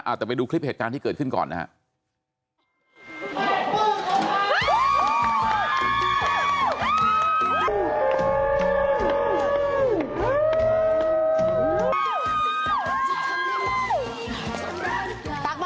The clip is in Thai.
เอาแต่ไปดูคลิปเหตุการณ์ที่เกิดขึ้นก่อนนะครับ